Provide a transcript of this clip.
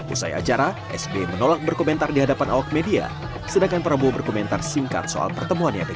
usai acara s b menolak berkomentar di hadapan awak media sedangkan prabowo berkomentar singkat soal pertemuannya dengan s b